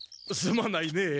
すまないね。